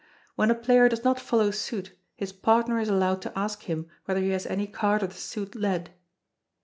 When a player does not follow suit his partner is allowed to ask him whether he has any card of the suit led.